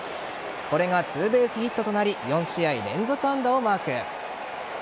これがツーベースヒットとなり４試合連続安打をマーク。